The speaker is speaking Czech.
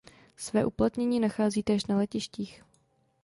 Své uplatnění nachází též na letištích.